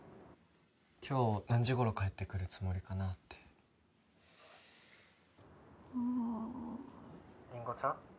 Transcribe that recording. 今日何時頃帰ってくるつもりかなってあ☎りんごちゃん？